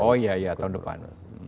oh iya ya tahun depan